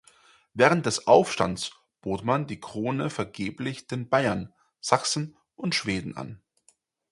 Während des Aufstands bot man die Krone vergeblich den Bayern, Sachsen und Schweden an.